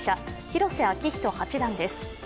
広瀬章人八段です。